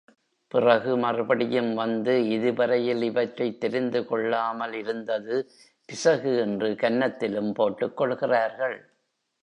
பிறகு மறுபடியும் வந்து, இதுவரையில் இவற்றைத் தெரிந்து கொள்ளாமல் இருந்தது பிசகு என்று கன்னத்திலும் போட்டுக் கொள்கிறார்கள்.